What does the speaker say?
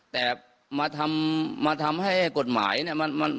แต่มาทำให้กฎหมายเนี่ย